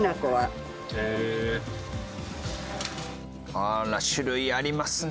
あら種類ありますね。